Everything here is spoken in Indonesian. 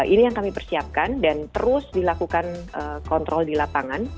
ini yang kami persiapkan dan terus dilakukan kontrol di lapangan